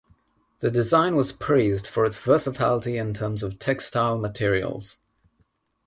The design was praised for its versatility in terms of textile materials.